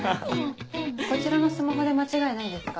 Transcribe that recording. こちらのスマホで間違いないですか？